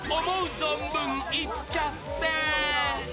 存分いっちゃってー。